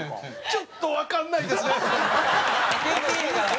ちょっとわかんないですね。